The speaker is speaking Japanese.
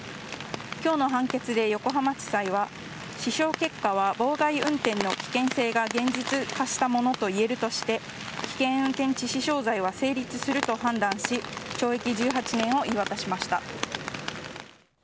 今日の判決で横浜地裁は死傷結果は妨害運転の危険性が現実化したものと言えるとして危険運転致死傷罪は成立すると判断し懲役１８年を言い渡しました。